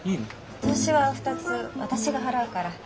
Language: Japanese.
お通しは２つ私が払うから。